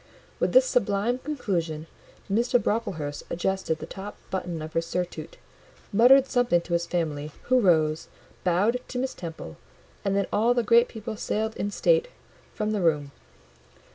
With this sublime conclusion, Mr. Brocklehurst adjusted the top button of his surtout, muttered something to his family, who rose, bowed to Miss Temple, and then all the great people sailed in state from the room.